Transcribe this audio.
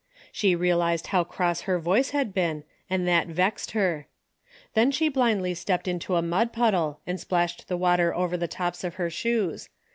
She realized how cross her voice had been and that vexed her. Then she blindly stepped into a mud puddle and splashed the Avater over the tops of her shoes.